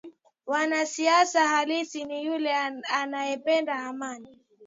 Mwanasiasa halisi ni yule anayependa amani